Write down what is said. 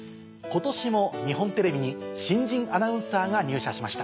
今年も日本テレビに新人アナウンサーが入社しました。